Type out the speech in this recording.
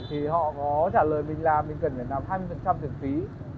thì họ có trả lời mình là mình cần phải làm hai mươi tiền phí